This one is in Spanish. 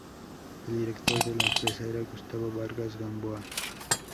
El director de la empresa era Gustavo Vargas Gamboa.